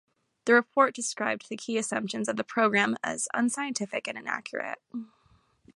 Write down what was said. The report described the key assumptions of the program as unscientific and inaccurate.